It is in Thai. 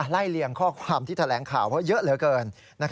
เลี่ยงข้อความที่แถลงข่าวเพราะเยอะเหลือเกิน